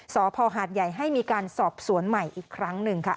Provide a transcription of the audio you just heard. สพหาดใหญ่ให้มีการสอบสวนใหม่อีกครั้งหนึ่งค่ะ